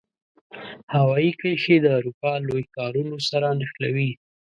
هوایي کرښې د اروپا لوی ښارونو سره نښلوي.